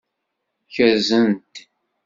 Kerzen-t.